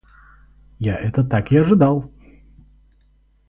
Я это так и ожидал!